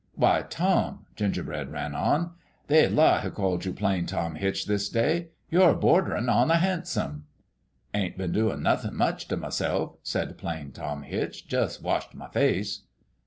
"Why, Tom," Gingerbread ran on, "they'd lie who called you Plain Tom Hitch this day ! You're borderin' on the handsome." " Ain't been doin' nothin' much t' myself," said Plain Tom Hitch ;" jus' washed my face."